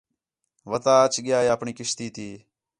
وَتا اَچ ڳِیا ہِے اپݨی کشتی تی